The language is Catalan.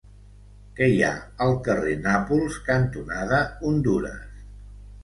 Què hi ha al carrer Nàpols cantonada Hondures?